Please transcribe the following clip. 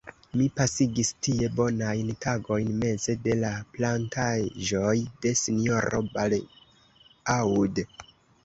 Mi pasigis tie bonajn tagojn meze de la plantaĵoj de S-ro Bareaud.